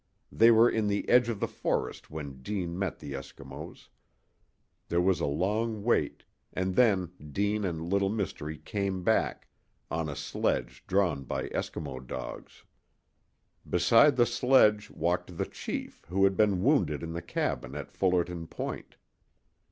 They were in the edge of the forest when Deane met the Eskimos. There was a long wait, and then Deane and Little Mystery came back on a sledge drawn by Eskimo dogs. Beside the sledge walked the chief who had been wounded in the cabin at Fullerton Point.